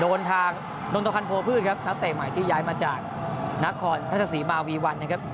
โดนทางนนทพันธ์โพพืชครับนักเตะใหม่ที่ย้ายมาจากนครราชสีมาวีวันนะครับ